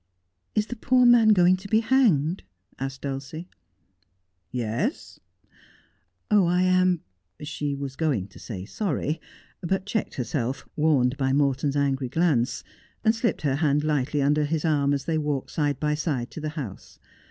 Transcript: ' Is the poor man going to be hanged V asked Dulcie. 'Yes.' ' I am ' she was going to say sorry, but checked herself, warned by Morton's angry glance, and slipped her hand lightly under his arm as they walked side by side to the house.